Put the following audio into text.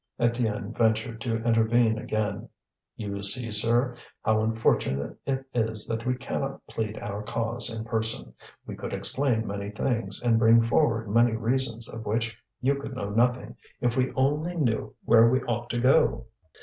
Étienne ventured to intervene again. "You see, sir, how unfortunate it is that we cannot plead our cause in person. We could explain many things, and bring forward many reasons of which you could know nothing, if we only knew where we ought to go."